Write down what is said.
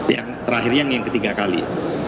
yang terakhir yang ketiga kali